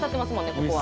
ここは。